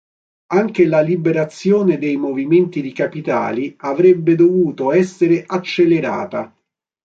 Anche la liberalizzazione dei movimenti di capitali avrebbe dovuto essere accelerata.